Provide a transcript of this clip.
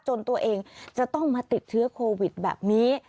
ตัวเองจะต้องมาติดเชื้อโควิดแบบนี้